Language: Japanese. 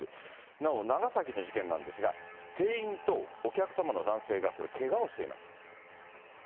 なお長崎の事件なんですが、店員とお客様がけがをしています。